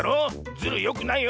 ズルよくないよ！